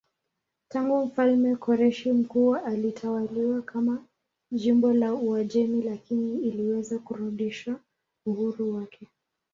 Tangu mfalme Koreshi Mkuu ilitawaliwa kama jimbo la Uajemi lakini iliweza kurudisha uhuru wake.